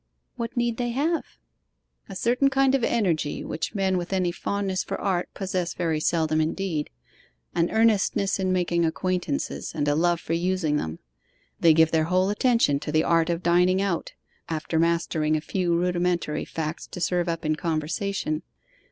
'What need they have?' 'A certain kind of energy which men with any fondness for art possess very seldom indeed an earnestness in making acquaintances, and a love for using them. They give their whole attention to the art of dining out, after mastering a few rudimentary facts to serve up in conversation.